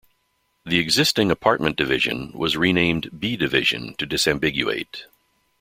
The existing Apartment Division was renamed B-Division to disambiguate.